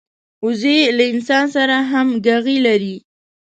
وزې له انسان سره همږغي لري